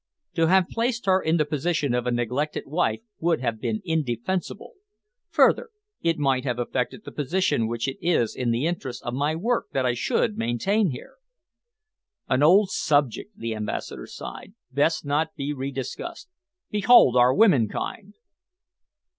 To have placed her in the position of a neglected wife would have been indefensible. Further, it might have affected the position which it is in the interests of my work that I should maintain here." "An old subject," the Ambassador sighed, "best not rediscussed. Behold, our womenkind!"